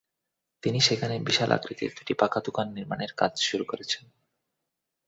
তিনি সেখানে বিশাল আকৃতির দুটি পাকা দোকান নির্মাণের কাজ শুরু করেছেন।